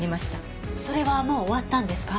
それはもう終わったんですか？